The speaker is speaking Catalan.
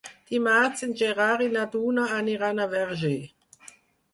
Dimarts en Gerard i na Duna aniran al Verger.